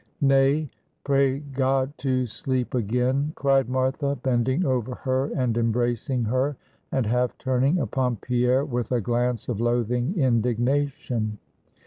"Nay, pray God to sleep again," cried Martha, bending over her and embracing her, and half turning upon Pierre with a glance of loathing indignation.